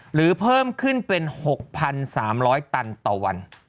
หรือเพิ่มขึ้นเป็น๖๓๐๐ตันต่อวัน